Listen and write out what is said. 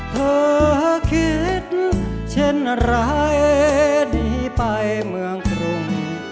เธอคิดเช่นไรดีไปเมืองกรุง